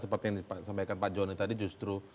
seperti yang disampaikan pak joni tadi justru